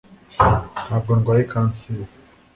ntabwo ndwaye kanseri